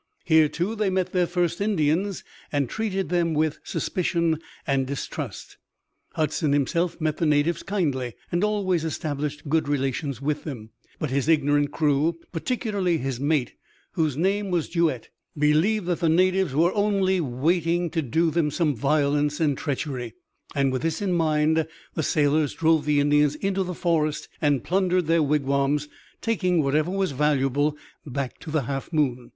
Here too they met their first Indians, and treated them with suspicion and distrust. Hudson himself met the natives kindly and always established good relations with them, but his ignorant crew, particularly his mate, whose name was Juet, believed that the natives were only waiting to do them some violence and treachery, and with this in mind the sailors drove the Indians into the forest and plundered their wigwams, taking whatever was valuable back to the Half Moon.